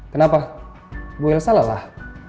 kenapa bu ilsa lelah